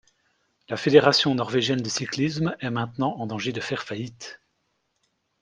La Fédération norvégienne de cyclisme est maintenant en danger de faire faillite.